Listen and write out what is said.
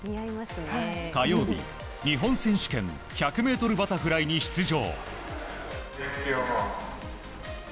火曜日、日本選手権１００ｍバタフライに出場。